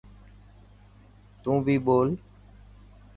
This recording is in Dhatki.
تون بي ٻول.